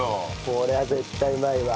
こりゃ絶対うまいわ。